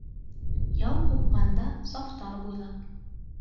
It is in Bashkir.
Яу ҡупҡанда, сафтар буйлап